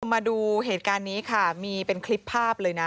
มาดูเหตุการณ์นี้ค่ะมีเป็นคลิปภาพเลยนะ